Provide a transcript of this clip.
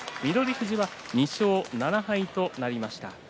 富士は２勝７敗となりました。